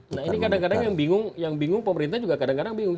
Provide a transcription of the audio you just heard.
nah ini kadang kadang yang bingung pemerintah juga kadang kadang